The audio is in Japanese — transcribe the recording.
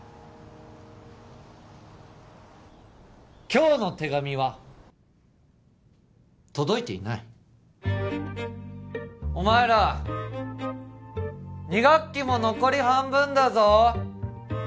今日の手紙は届いていないお前ら２学期も残り半分だぞ